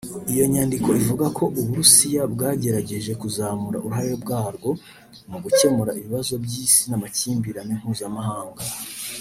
Iyo nyandiko ivuga ko u Burusiya bwagerageje kuzamura uruhare rwabwo mu gukemura ibibazo by’Isi n’amakimbirane mpuzamahanga